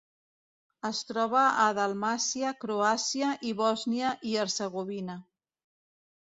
Es troba a Dalmàcia, Croàcia i Bòsnia i Hercegovina.